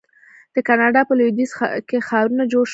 د کاناډا په لویدیځ کې ښارونه جوړ شول.